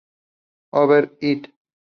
Over It.